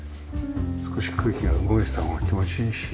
少し空気が動いてた方が気持ちいいし。